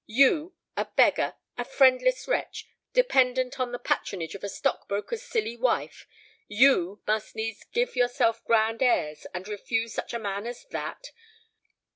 You a beggar, a friendless wretch, dependent on the patronage of a stockbroker's silly wife you must needs give yourself grand airs, and refuse such a man as that!